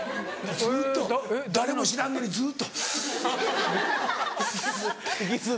ずっと誰も知らんのにずっとスス。